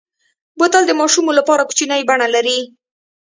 بوتل د ماشومو لپاره کوچنۍ بڼه لري.